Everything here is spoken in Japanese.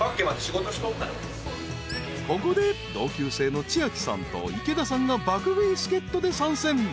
［ここで同級生の千明さんと池田さんが爆食い助っ人で参戦］